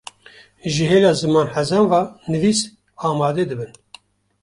ji hêla zimanhezan ve nivîs amade dibin